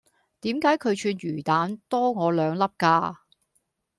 點解佢串魚蛋多我兩粒㗎?